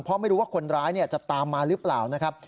เพราะไม่รู้ว่าคนร้ายจะตามมาหรือเปล่านะครับ